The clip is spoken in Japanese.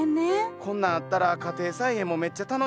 こんなんあったら家庭菜園もめっちゃ楽しなるもんなぁ。